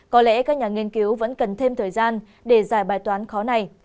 có lẽ các nhà nghiên cứu vẫn cần thêm thời gian để giải bài toán khó này